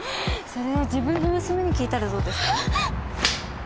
それは自分の娘に聞いたらどうですか？